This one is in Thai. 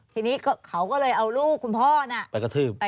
ทีนี้เขาก็เลยเอาลูกคุณพ่อน่ะไปกระทืบ